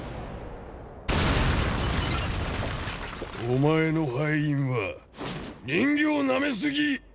お前の敗因は人形なめ過ぎ！